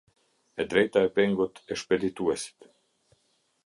E drejta e pengut e shpedituesit.